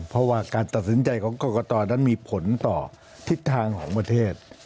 เพราะว่าการตัดสินใจของกรกตนั้นมีผลต่อทิศทางของประเทศ